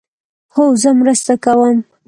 هو، زه مرسته کوم